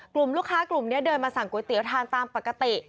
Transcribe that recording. กลุ่มลูกค้ากลุ่มนี้เดินมาสั่งก๋วยเตี๋ยวทานตามปกติ